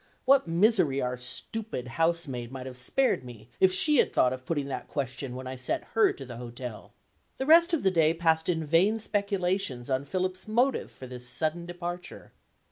What misery our stupid housemaid might have spared me, if she had thought of putting that question when I sent her to the hotel! The rest of the day passed in vain speculations on Philip's motive for this sudden departure.